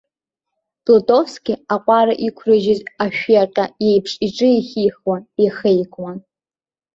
Плутовски, аҟәара иқәрыжьыз ашәиаҟьа еиԥш иҿы еихихуан, еихеикуан.